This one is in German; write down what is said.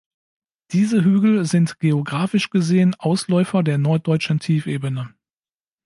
Diese Hügel sind geographisch gesehen Ausläufer der norddeutschen Tiefebene.